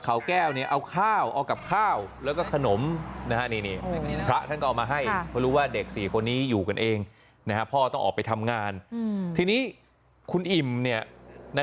คือทำให้กินเวลา๒มื้อเลยนะ